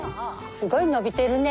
すごい伸びてるね。